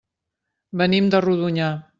Venim de Rodonyà.